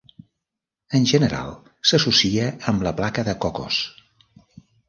En general s'associa amb la Placa de Cocos.